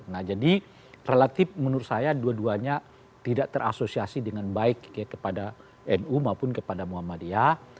nah jadi relatif menurut saya dua duanya tidak terasosiasi dengan baik kepada nu maupun kepada muhammadiyah